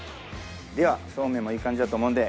ではそうめんもいい感じだと思うので。